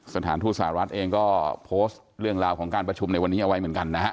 สถานทูตสหรัฐเองก็โพสต์เรื่องราวของการประชุมในวันนี้เอาไว้เหมือนกันนะฮะ